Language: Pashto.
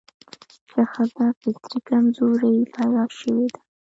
چې ښځه فطري کمزورې پيدا شوې ده